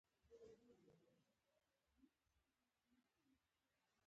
د حکومت تر کنټرول لاندې اقتصادي وده ستونزې هوارې کولی شي